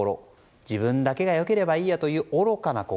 自分だけが良ければいいやという愚かな心。